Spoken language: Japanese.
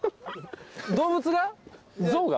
動物が？